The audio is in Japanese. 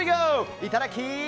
いただき！